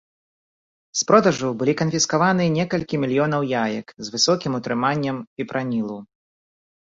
З продажу былі канфіскаваныя некалькі мільёнаў яек з з высокім утрыманнем фіпранілу.